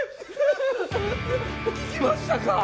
聞きましたか？